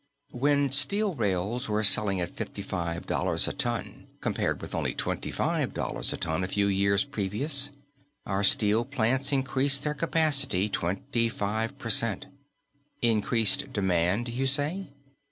When steel rails were selling at $55 a ton, compared with only $25 a ton a few years previous, our steel plants increased their capacity twenty five per cent. Increased demand, you say?